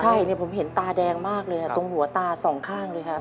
ใช่ผมเห็นตาแดงมากเลยตรงหัวตาสองข้างเลยครับ